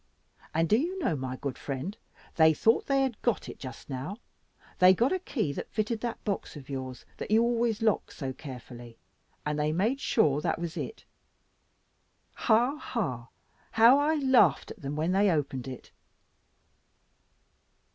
And do you know, my good friend, they thought they had got it just now; they got a key that fitted that box of yours, that you always locked so carefully, and they made sure that was it; ha, ha, how I laughed at them when they opened it!"